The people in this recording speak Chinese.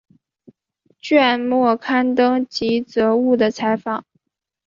卷末刊登吉泽务的采访。